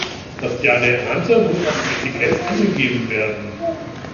Das Jahr der Ernte muss auf dem Etikett angegeben werden.